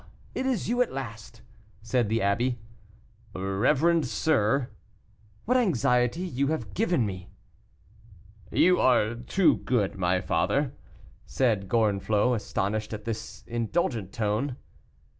it is you at last," said the abbé. "Reverend sir " "What anxiety you have given me." "You are too good, my father," said Gorenflot, astonished at this indulgent tone.